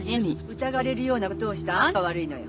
疑われるようなことをしたアンタが悪いのよ。